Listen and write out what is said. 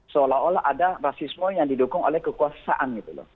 seolah olah ada rasisme yang didukung oleh kekuasaan gitu loh